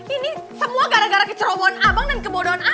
ini semua gara gara kecerobohan abang dan kebodohan abang